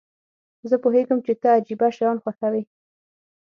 زه پوهیږم چې ته عجیبه شیان خوښوې.